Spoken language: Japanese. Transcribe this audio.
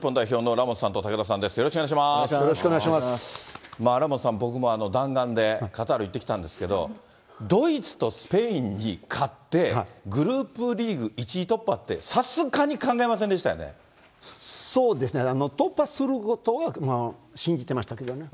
ラモスさん、僕も弾丸でカタール行ってきたんですけど、ドイツとスペインに勝って、グループリーグ１位突破って、そうですね、突破することは信じてましたけどね。